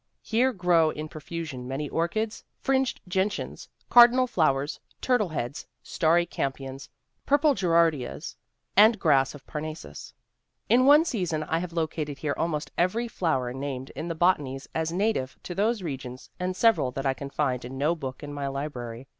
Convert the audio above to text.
Here grow in profusion many orchids, fringed gentians, cardinal flowers, turtle heads, starry campions, purple gerar dias, and grass of Parnassus. In one season I have located here almost every flower named in the bota nies as native to those regions and several that I can find in no book in my library.